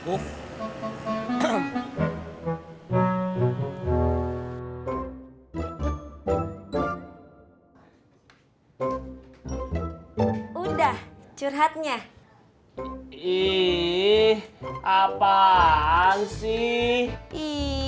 udah curhatnya ih apaan sih ih kok gitu